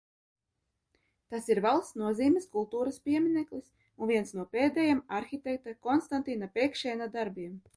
Tas ir valsts nozīmes kultūras piemineklis un viens no pēdējiem arhitekta Konstantīna Pēkšēna darbiem.